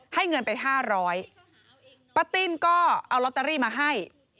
ให้เงินไป๕๐๐ปะติ้นก็เอาลอตเตอรี่มาให้